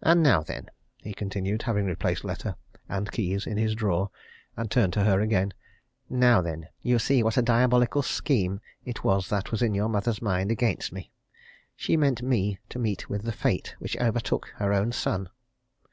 And now then," he continued, having replaced letter and keys in his drawer, and turned to her again, "now then, you see what a diabolical scheme it was that was in your mother's mind against me. She meant me to meet with the fate which overtook her own son!